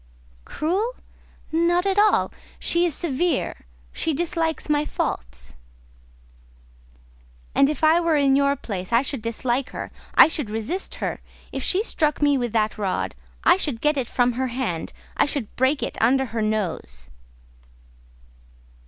"Cruel? Not at all! She is severe: she dislikes my faults." "And if I were in your place I should dislike her; I should resist her. If she struck me with that rod, I should get it from her hand; I should break it under her nose."